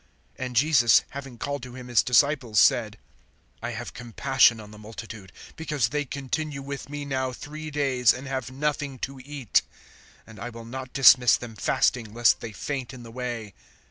(32)And Jesus, having called to him his disciples, said: I have compassion on the multitude, because they continue with me now three days, and have nothing to eat; and I will not dismiss them fasting, lest they faint in the way.